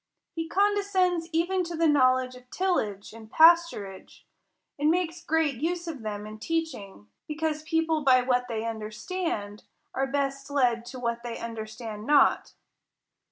He condescends even to the knowledge of till age and pasturage, and makes great use of them in teaching ; because people by what they understand, are best led to what they understand not.